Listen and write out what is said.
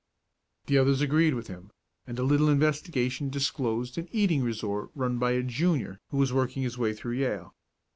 The others agreed with him, and a little investigation disclosed an eating resort run by a Junior who was working his way through Yale.